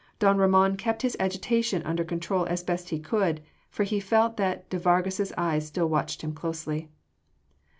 Don Ramon kept his agitation under control as best he could, for he felt that de Vargas’s eyes still watched him closely.